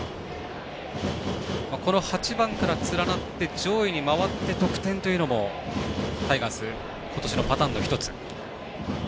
この８番から連なって上位に回って得点というのも、タイガース今年のパターンの一つ。